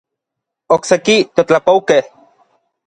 Okseki teotlapoukej.